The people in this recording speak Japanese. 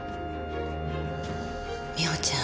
美穂ちゃん